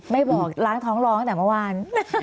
ไม่บอกล้างท้องร้องตั้งแต่เมื่อวาน